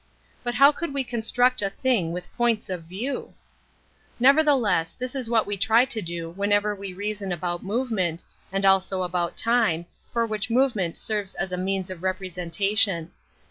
But how could we con struct a thing with points of view? Nevertheless, this is what we try to do j 50 An Introduction to whenever we reason about movement, and also about time, for which movement serves [ as a means of representation.